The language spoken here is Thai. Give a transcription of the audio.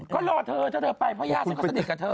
ก็รอเธอถ้าเธอไปเพราะญาติฉันก็สนิทกับเธอ